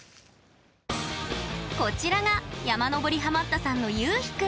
こちらが山登りハマったさんのゆうひ君。